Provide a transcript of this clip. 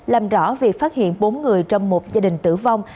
làm rõ việc phát hiện bốn người trong một gia đình tử vong